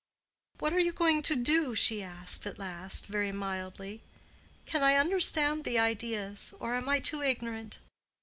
"What are you going to do?" she asked, at last, very mildly. "Can I understand the ideas, or am I too ignorant?"